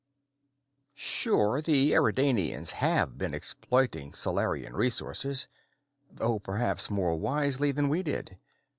"Sure, the Eridanians have been exploiting Solarian resources, though perhaps more wisely than we did.